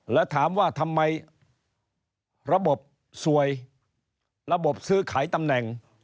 แล้วถามว่าทำไมระบบสวยระบบซื้อขายตำแหน่ง